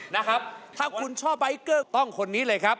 นะครับถ้าคุณชอบไอเกอร์ต้องคนนี้เลยครับ